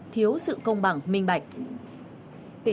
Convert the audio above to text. thiếu sự công bằng minh bạch